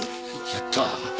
やった。